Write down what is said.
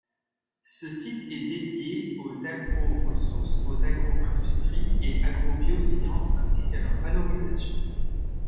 Ce site est dédié aux agroressources, aux agro-industries et agrobiosciences ainsi qu’à leur valorisation.